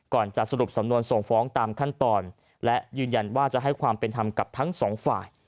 จะสรุปสำนวนส่งฟ้องตามขั้นตอนและยืนยันว่าจะให้ความเป็นธรรมกับทั้งสองฝ่าย